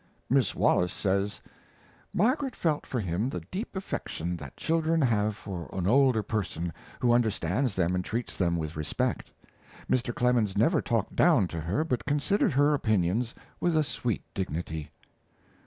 ] Miss Wallace says: Margaret felt for him the deep affection that children have for an older person who understands them and treats them with respect. Mr. Clemens never talked down to her, but considered her opinions with a sweet dignity.